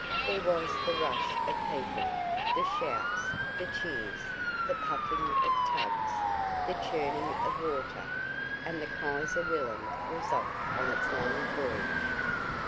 There was the rush of people, the shouts, the cheers, the puffing of tugs, the churning of water, and the Kaiser Wilhelm was off on its long voyage.